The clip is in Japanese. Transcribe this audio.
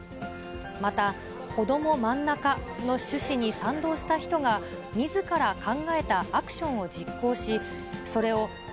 また、こどもまんなかの趣旨に賛同した人が、みずから考えたアクションを実行し、それを＃